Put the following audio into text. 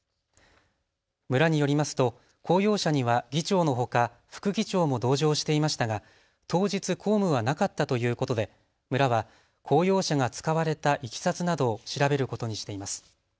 村によりますと公用車には議長のほか、副議長も同乗していましたが当日、公務はなかったということで村は公用車が使われたいきさつなどを調べることにしています。